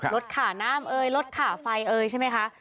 ขาน้ำเอยรถขาไฟเอ่ยใช่ไหมคะ